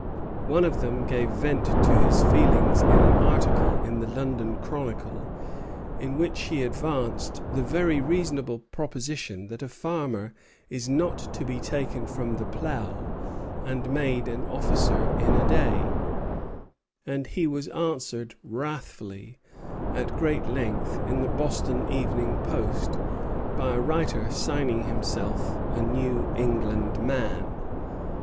One of them gave vent to his feelings in an article in the London Chronicle, in which he advanced the very reasonable proposition that "a farmer is not to be taken from the plough and made an officer in a day;" and he was answered wrathfully, at great length, in the Boston Evening Post, by a writer signing himself "A New England Man."